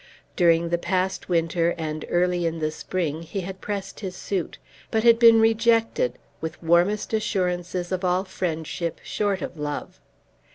During the past winter, and early in the spring, he had pressed his suit, but had been rejected, with warmest assurances of all friendship short of love.